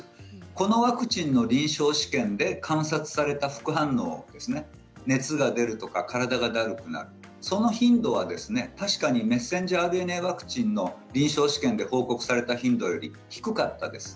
このワクチンの臨床試験で観察された副反応熱が出るとか体がだるくなるその頻度はですね、確かにメッセンジャーＲＮＡワクチンの臨床試験で報告された頻度より低かったです。